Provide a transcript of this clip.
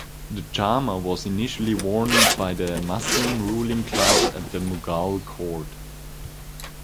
The "jama" was initially worn by the Muslim ruling class at the Mughal court.